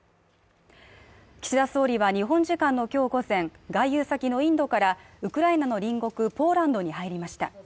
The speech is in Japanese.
岸田総理は、日本時間の今日午前、外遊先のインドからウクライナの隣国ポーランドに入りました。